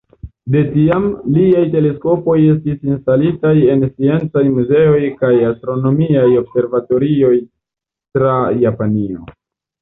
De tiam, liaj teleskopoj estis instalitaj en sciencaj muzeoj kaj astronomiaj observatorioj tra Japanio.